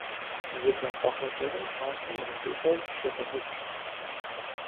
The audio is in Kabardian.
Зы бэмпӀэгъуэ гуэрым щӏалэм и гущӀэр щекъузыкӀ.